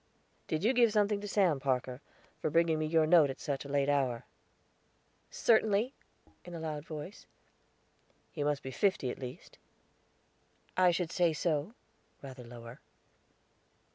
"Did you give something to Sam, Parker, for bringing me your note at such a late hour?" "Certainly," in a loud voice. "He must be fifty, at least." "I should say so," rather lower.